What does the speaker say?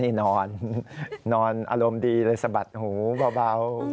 นี่นอนนอนอารมณ์ดีเลยสะบัดหูเบา